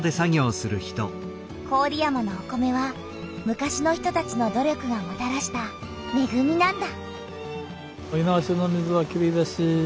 郡山のお米は昔の人たちの努力がもたらしためぐみなんだ。